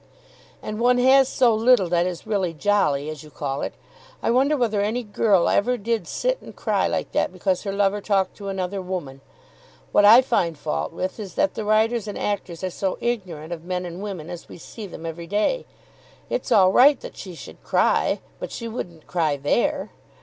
"And one has so little that is really jolly, as you call it. I wonder whether any girl ever did sit and cry like that because her lover talked to another woman. What I find fault with is that the writers and actors are so ignorant of men and women as we see them every day. It's all right that she should cry, but she shouldn't cry there."